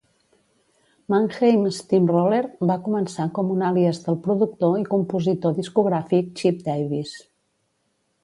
Mannheim Steamroller va començar com un àlies del productor i compositor discogràfic Chip Davis.